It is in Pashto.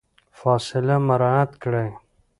فاصله مراعات کړئ.